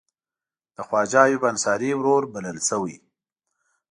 د خواجه ایوب انصاري ورور بلل شوی.